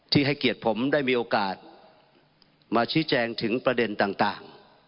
ให้เกียรติผมได้มีโอกาสมาชี้แจงถึงประเด็นต่าง